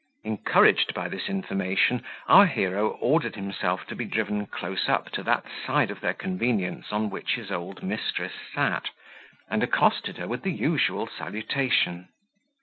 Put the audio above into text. Encouraged by this information, our hero ordered himself to be driven close up to that side of their convenience on which his old mistress sat, and accosted her with the usual salutation.